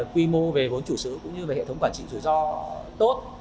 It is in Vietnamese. quy mô về vốn chủ sứ cũng như về hệ thống quản trị rủi ro tốt